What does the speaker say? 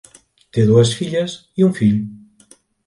Té dues filles i un fill.